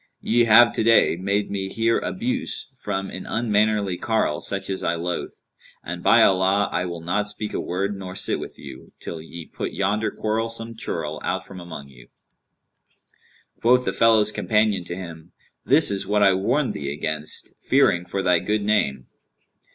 Ye have today made me hear abuse from an unmannerly carle such as I loathe; and by Allah, I will not speak a word nor sit with you, till ye put yonder quarrelsome churl out from among you!' Quoth the fellow's companion to him, 'This is what I warned thee against, fearing for thy good name.'